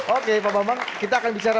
oke pak bambang kita akan bicara